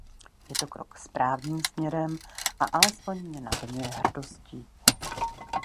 Je to krok správným směrem a alespoň mě naplňuje hrdostí.